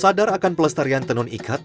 sadar akan pelestarian tenun ikat